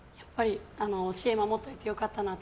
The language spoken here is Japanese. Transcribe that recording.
教えを守っておいて良かったなと。